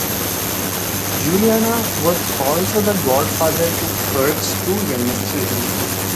Giuliani was also the godfather to Kerik's two youngest children.